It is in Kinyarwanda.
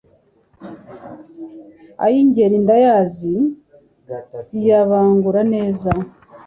Ay' Ingeri ndayazi, Ziyabangura neza